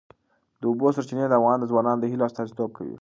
د اوبو سرچینې د افغان ځوانانو د هیلو استازیتوب کوي.